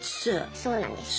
そうなんです。